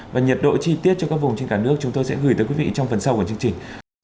và nhiệt độ chi tiết cho các vùng trên cả nước chúng tôi sẽ gửi tới quý vị trong phần sau của chương trình